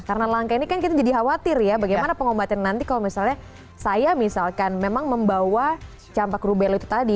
karena langka ini kan kita jadi khawatir ya bagaimana pengobatan nanti kalau misalnya saya misalkan memang membawa campak rubel itu tadi